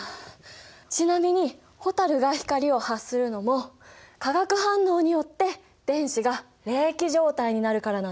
ちなみに蛍が光を発するのも化学反応によって電子が励起状態になるからなんだよ。